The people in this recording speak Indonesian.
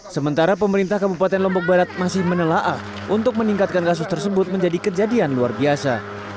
sementara pemerintah kabupaten lombok barat masih menelaah untuk meningkatkan kasus tersebut menjadi kejadian luar biasa